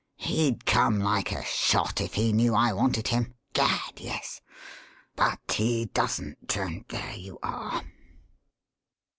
He'd come like a shot if he knew I wanted him gad, yes! But he doesn't; and there you are."